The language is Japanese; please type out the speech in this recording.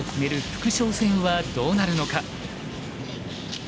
副将戦はどうなるのか。